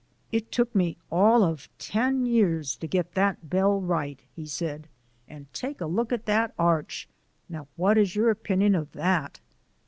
"It took me all o' ten years to get that bell right," he said, and, "Take a look at that arch: now what is your opinion o' that?"